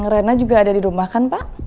rena juga ada dirumah kan pak